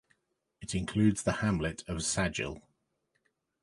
It includes the hamlet of Sadgill.